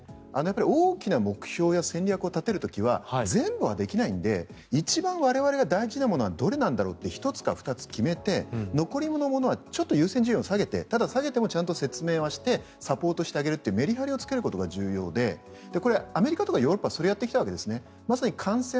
大きな目標や戦略を立てる時は全部はできないので一番我々が大事なものはどれなんだろうと１つか２つ決めて残りのものは優先順位を下げてでも、説明はしてサポートしてあげるというメリハリをつけることが重要でこれはアメリカとかヨーロッパはやってきたわけです。